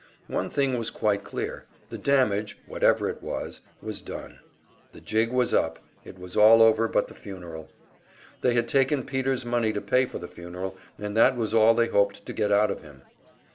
One thing was quite clear the damage, whatever it was, was done; the jig was up, it was all over but the funeral. They had taken Peter's money to pay for the funeral, and that was all they hoped to get out of him.